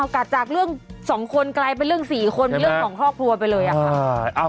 กัดจากเรื่อง๒คนกลายเป็นเรื่อง๔คนเป็นเรื่องของครอบครัวไปเลยค่ะ